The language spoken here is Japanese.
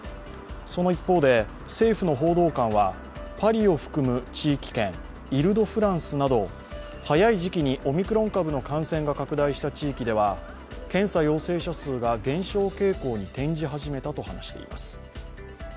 その一方で、政府の報道官はパリを含む地域圏、イル・ド・フランスなど早い時期にオミクロン株の感染が拡大した地域では検査陽性者数が減少傾向に転じ始めたと話しています。